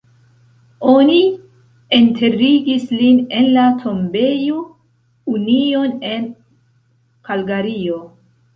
Oni enterigis lin en la Tombejo Union en Kalgario.